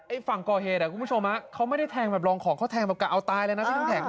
ไอ้ฝั่งก่อเหตุอ่ะคุณผู้ชมฮะเขาไม่ได้แทงแบบรองของเขาแทงแบบกำลังเอาตายเลยนะที่ทั้งแทง